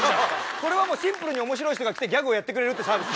これはもうシンプルに面白い人が来てギャグをやってくれるってサービス。